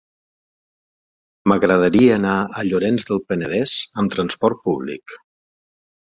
M'agradaria anar a Llorenç del Penedès amb trasport públic.